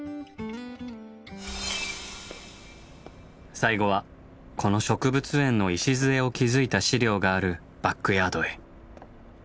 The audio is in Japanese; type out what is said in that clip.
最後はこの植物園の礎を築いた資料があるバックヤードへ。